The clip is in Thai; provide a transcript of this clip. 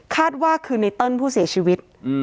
คาดว่าคือไนเติ้ลผู้เสียชีวิต